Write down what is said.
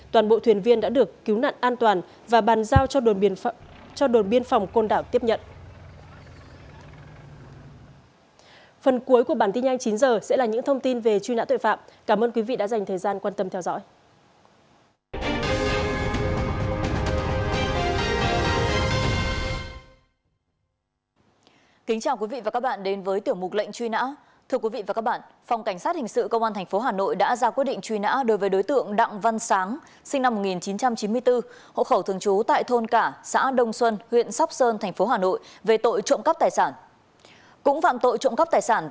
toàn bộ thuyền viên đã được cứu nạn an toàn và bàn giao cho đồn biên phòng côn đảo tiếp nhận